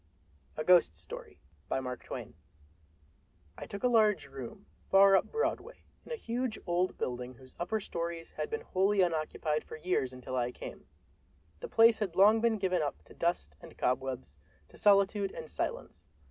] A GHOST STORY I took a large room, far up Broadway, in a huge old building whose upper stories had been wholly unoccupied for years until I came. The place had long been given up to dust and cobwebs, to solitude and silence.